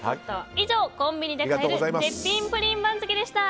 以上、コンビニで買える絶品プリン番付でした。